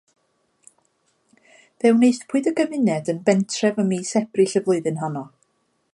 Fe wnaethpwyd y gymuned yn bentref ym mis Ebrill y flwyddyn honno.